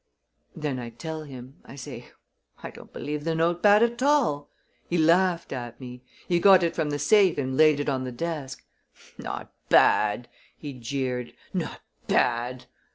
"Then I tell him. I say: 'I don't believe the note bad at all!' He laughed at me. He got it from the safe and laid it on the desk. 'Not bad!' he jeered. 'Not bad!'